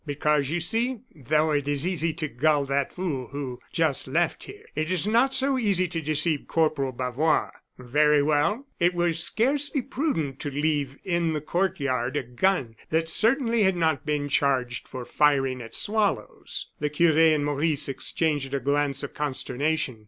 Because, you see, though it is easy to gull that fool who just left here, it is not so easy to deceive Corporal Bavois. Very well! it was scarcely prudent to leave in the court yard a gun that certainly had not been charged for firing at swallows." The cure and Maurice exchanged a glance of consternation.